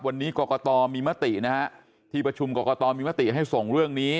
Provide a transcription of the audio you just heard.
วันนี้กรกตมีมตินะฮะที่ประชุมกรกตมีมติให้ส่งเรื่องนี้